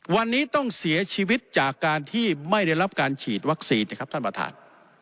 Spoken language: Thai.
วันนี้ต้องเสียชีวิตจากการที่ไม่ได้รับการฉีดวัคซีนนะครับท่านประธาน